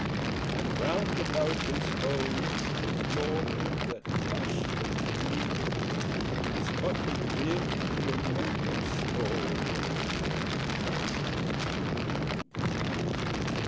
And round about his home the glory That blushed and bloomed, Is but a dim remembered story Of the old time entombed.